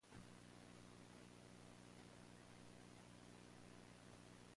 The community takes its name from Worth County.